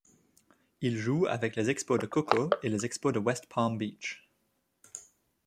Il joue avec les Expos de Cocoa et les Expos de West Palm Beach.